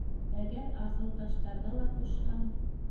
Әгәр аҫылташтарҙы ла ҡушһаң...